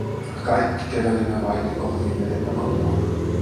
Kaikki kävelimme vaiti kohti vedenjakamoa.